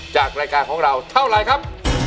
จากรายการของเราเท่าไรครับ